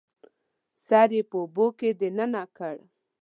سر یې په اوبو کې دننه کړ